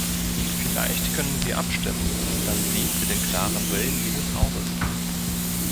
Vielleicht können wir abstimmen, dann sehen Sie den klaren Willen dieses Hauses.